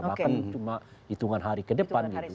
bahkan cuma hitungan hari ke depan gitu